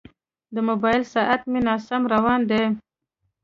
د موبایل ساعت مې ناسم روان دی.